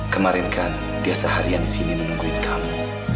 kemarin kan dia seharian disini menungguin kamu